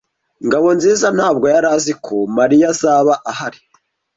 Ngabonziza ntabwo yari azi ko Mariya azaba ahari.